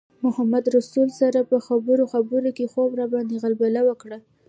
محمدرسول سره په خبرو خبرو کې خوب راباندې غلبه وکړه.